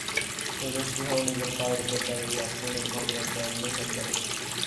তেজস্বী হও, নিজের পায়ের উপর দাঁড়াইয়া প্রেমের ভগবানকে অন্বেষণ কর।